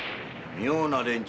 妙な連中？